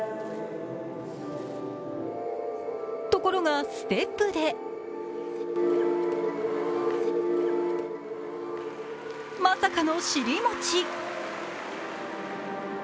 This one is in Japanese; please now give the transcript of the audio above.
ところがステップでまさかの尻餅。